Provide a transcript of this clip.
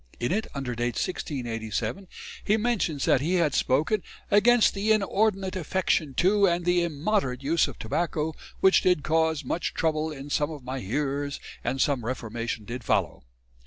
In it, under date 1687, he mentions that he had spoken "against the inordinate affection to and the immoderate use of tobacco which did caus much trouble in some of my hearers and some reformation did follow."